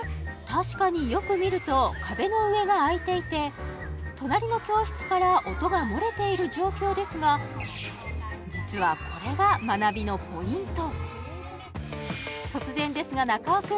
確かによく見ると壁の上があいていて隣の教室から音が漏れている状況ですが実はこれが学びのポイント